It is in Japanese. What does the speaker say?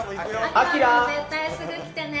明、絶対すぐ来てね。